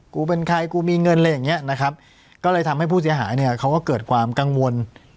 กูเป็นใครกูมีเงินอะไรอย่างเงี้ยนะครับก็เลยทำให้ผู้เสียหายเนี่ยเขาก็เกิดความกังวล